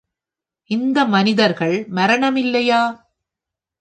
இந்த மனிதர்கள், மரணம் இல்லையா!